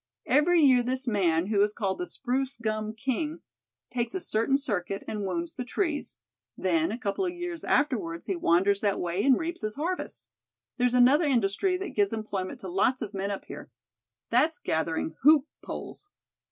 Every year this man, who is called the spruce gum king, takes a certain circuit, and wounds the trees. Then, a couple of years afterwards he wanders that way, and reaps his harvest. There's another industry that gives employment to lots of men up here. That's gathering hoop poles."